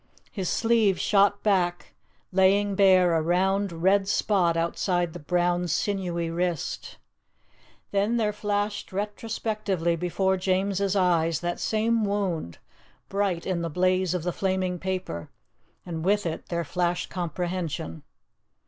His sleeve shot back, laying bare a round, red spot outside the brown, sinewy wrist. Then there flashed retrospectively before James's eye that same wound, bright in the blaze of the flaming paper; and with it there flashed comprehension.